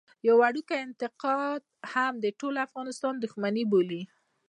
يو وړوکی انتقاد هم د ټول افغانستان دښمني بولي.